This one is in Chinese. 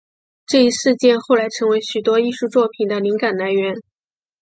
这一事件后来成为许多艺术作品的灵感来源。